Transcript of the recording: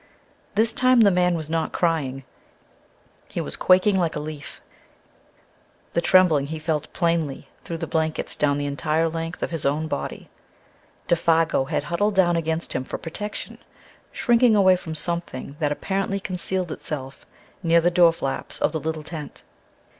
This time the man was not crying; he was quaking like a leaf; the trembling he felt plainly through the blankets down the entire length of his own body. Défago had huddled down against him for protection, shrinking away from something that apparently concealed itself near the door flaps of the little tent.